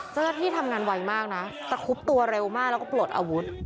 เจ้าหน้าที่ทำงานไวมากนะตะคุบตัวเร็วมากแล้วก็ปลดอาวุธ